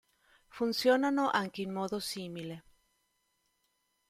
Funzionano anche in modo simile.